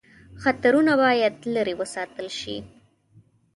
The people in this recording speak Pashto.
خطرونه باید لیري وساتل شي.